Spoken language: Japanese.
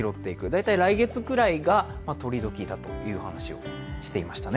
大体来月くらいがとりどきだという話をしていましたね。